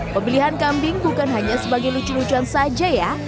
pemilihan kambing bukan hanya sebagai lucu lucuan saja ya